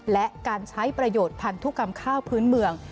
และการใช้ประโยชน์พันธุกรรมข้าวพื้นเมือง